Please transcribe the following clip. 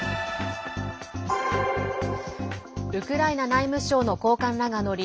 ウクライナ内務省の高官らが乗り